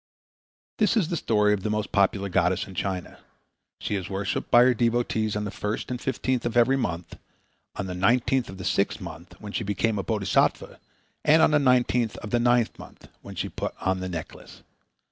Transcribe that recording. This is the story of the most popular goddess in China. She is worshipped by her devotees on the first and fifteenth of every month, on the nineteenth of the sixth month, when she became a Bodhisattva, and on the nineteenth of the ninth month, when she put on the necklace.